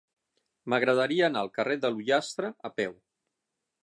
M'agradaria anar al carrer de l'Ullastre a peu.